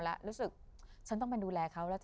แล้วรู้สึกฉันต้องไปดูแลเขาแล้ว